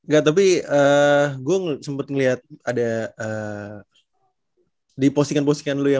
gak tapi gue sempat ngeliat ada di postingan postingan lu ya